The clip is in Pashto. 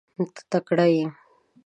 ته تکړه یې .